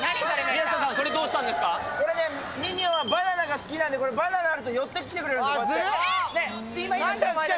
宮下さん、これね、ミニオンはバナナが好きなんで、これバナナあると寄ってきてくれるの、こうやって。